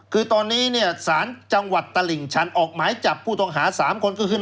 คือตอนนี้เนี่ยสารจังหวัดตลิ่งชันออกหมายจับผู้ต้องหา๓คนก็คือ